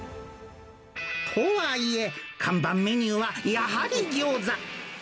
とはいえ、看板メニューはやはりギョーザ。